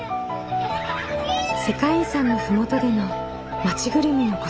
世界遺産の麓での町ぐるみの子育て。